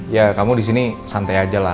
ya kamu disini santai aja lah